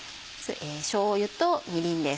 しょうゆとみりんです。